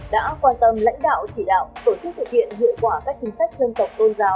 đã quan tâm lãnh đạo chỉ đạo tổ chức thực hiện hiệu quả các chính sách dân tộc tôn giáo